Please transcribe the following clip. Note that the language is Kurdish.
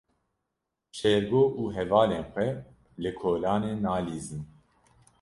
Şêrgo û hevalên xwe li kolanê nalîzin.